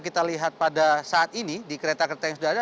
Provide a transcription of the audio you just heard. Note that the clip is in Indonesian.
kita lihat pada saat ini di kereta kereta yang sudah ada